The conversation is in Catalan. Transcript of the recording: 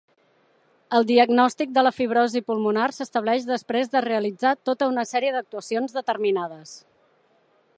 El diagnòstic de la fibrosi pulmonar s'estableix després de realitzar tota una sèrie d'actuacions determinades.